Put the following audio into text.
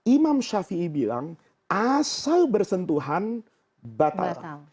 imam shafi'i bilang asal bersentuhan batal